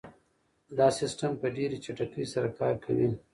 دا سیسټم په ډېره چټکۍ سره کار کوي.